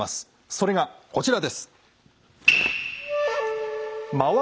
それがこちらです。